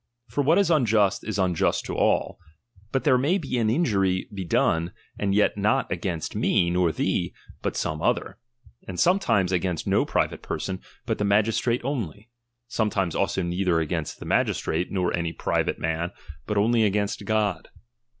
For what is unjust, is unjust to all ; but there may an injury be tloDe, and yet not against me, nor thee, but some other ; and Hmetimea against no private person, but the magistrate only ; iraietimes also neither against the magistrate, nor any private nu, but only against God.